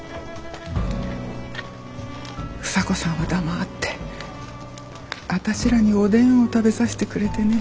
房子さんは黙ってあたしらにおでんを食べさせてくれてね。